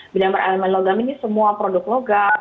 bidang berelemen logam ini semua produk logam